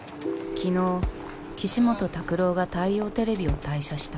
昨日岸本拓朗が大洋テレビを退社した。